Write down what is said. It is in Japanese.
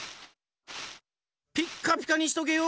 ピッカピカにしとけよ！